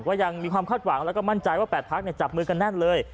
ยังมีความคาดหวังแล้วก็มั่นใจว่า๘พักจับมือกันแน่นเลย